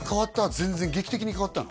全然劇的に変わったの？